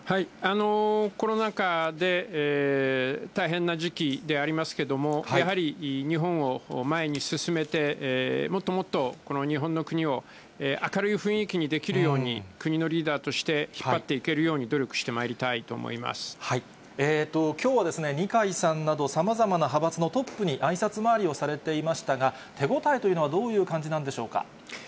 コロナ禍で大変な時期でありますけども、やはり日本を前に進めて、もっともっとこの日本の国を明るい雰囲気にできるように、国のリーダーとして引っ張っていけるように努力してまいりたいときょうは二階さんなど、さまざまな派閥のトップにあいさつ回りをされていましたが、手応えというのはどういう感じなんでしょうか。